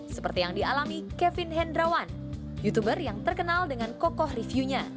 seperti yang dialami kevin hendrawan youtuber yang terkenal dengan kokoh reviewnya